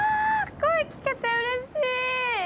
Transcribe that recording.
声聞けて嬉しい！